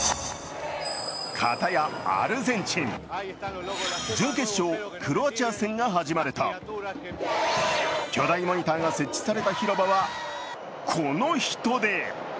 かたやアルゼンチン、準決勝、クロアチア戦が始まると巨大モニターが設置された広場はこの人出。